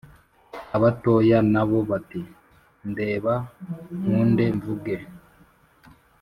Abatoya na bo bati “Ndeba nkunde mvuge”